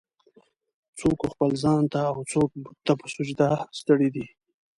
"څوک و خپل ځان ته اوڅوک بت ته په سجده ستړی دی.